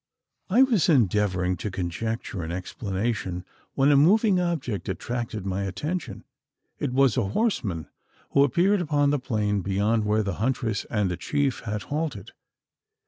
I was endeavouring to conjecture an explanation, when a moving object attracted my attention. It was a horseman who appeared upon the plain, beyond where the huntress and the chief had halted.